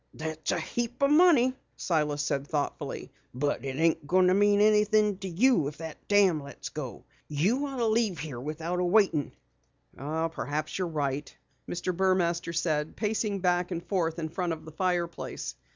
"That's a heap o' money," Silas said thoughtfully. "But it ain't going to mean anything to you if that dam lets go. You ought to leave here without waitin'." "Perhaps you're right," Mr. Burmaster said, pacing back and forth in front of the fireplace.